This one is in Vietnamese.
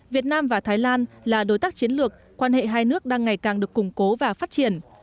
việt nam và thái lan là đối tác chiến lược quan hệ hai nước đang ngày càng được củng cố và phát triển